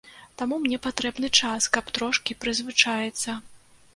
Таму мне патрэбны час, каб трошкі прызвычаіцца.